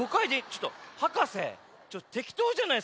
ちょっとはかせてきとうじゃないですか？